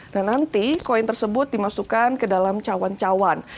dan nanti koin tersebut dimasukkan ke dalam cawan cawan